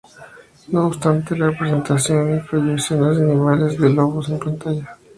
No obstante, la representación incluyó escenas animadas de lobos en pantalla.